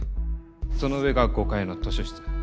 その上が５階の図書室。